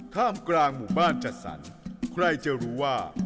ท่ามกลางหมู่บ้านจัดสรรใครจะรู้ว่า